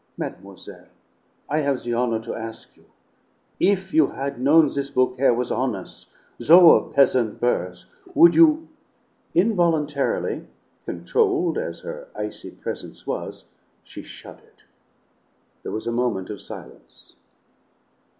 "Mademoiselle I have the honor to ask you: if you had known this Beaucaire was hones', though of peasant birth, would you " Involuntarily, controlled as her icy presence was, she shuddered. There was a moment of silence.